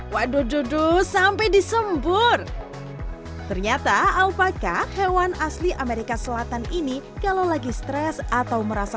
waduh sampai disembur ternyata alpaka hewan asli amerika selatan ini kalau lagi stres atau merasa